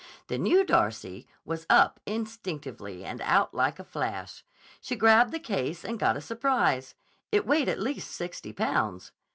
The new Darcy was up instinctively and out like a flash. She grabbed the case and got a surprise. It weighed at least sixty pounds.